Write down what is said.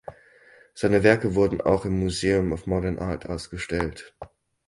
Seine Werke wurden auch im Museum of Modern Art ausgestellt.